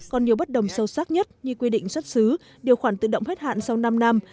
còn nhiều bất đồng sâu sắc nhất như quy định xuất xứ điều khoản tự động hết hạn sau năm năm